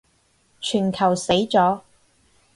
全球死咗